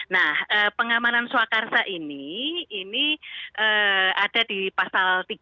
nah pengamanan swakarsa ini ini ada di pasal tiga